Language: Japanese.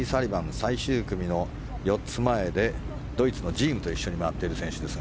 最終組の４つ前でドイツのジームと一緒に回っている選手です。